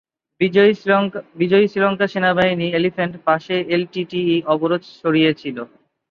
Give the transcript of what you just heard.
বিজয়ী শ্রীলঙ্কা সেনাবাহিনী এলিফ্যান্ট পাসে এলটিটিই অবরোধ সরিয়েছিলো।